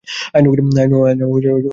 আইনও কিছু করতে পারবে না।